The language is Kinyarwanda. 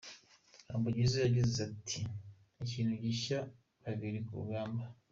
Humble Jizzo yagize ati”Ikintu gishya, babiri ku rugamba.